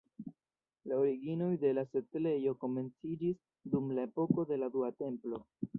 La originoj de la setlejo komenciĝis dum la epoko de la Dua Templo.